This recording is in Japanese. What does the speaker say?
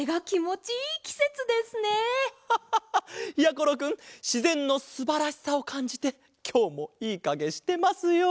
ころくんしぜんのすばらしさをかんじてきょうもいいかげしてますよ。